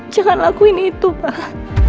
jangan lakuin itu pak